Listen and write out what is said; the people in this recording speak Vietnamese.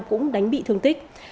cũng đánh bị thương tích